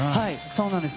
そうなんです。